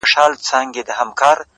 خوږ دی مرگی چا ويل د ژوند ورور نه دی’